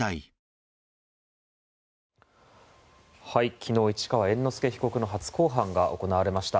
昨日、市川猿之助被告の初公判が行われました。